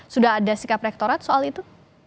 sudah ada sikap rektorat soal itu